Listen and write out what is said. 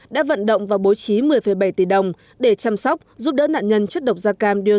đã vận động và bố trí một mươi bảy tỷ đồng để chăm sóc giúp đỡ nạn nhân chất độc da cam